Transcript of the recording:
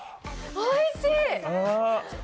おいしい！